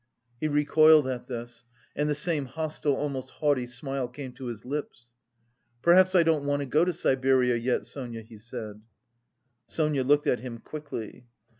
He recoiled at this, and the same hostile, almost haughty smile came to his lips. "Perhaps I don't want to go to Siberia yet, Sonia," he said. Sonia looked at him quickly.